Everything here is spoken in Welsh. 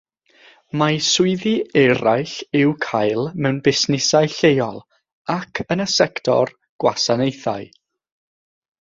Mae swyddi eraill i'w cael mewn busnesau lleol ac yn y sector gwasanaethau.